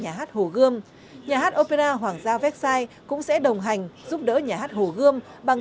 nhà hát hồ gươm nhà hát opera hoàng gia versai cũng sẽ đồng hành giúp đỡ nhà hát hồ gươm bằng